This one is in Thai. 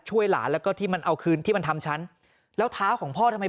ช่วยหลานแล้วก็ที่มันเอาคืนที่มันทำฉันแล้วเท้าของพ่อทำไม